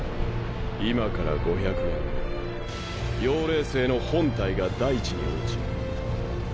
今から５００年後妖霊星の本体が大地に落ちる。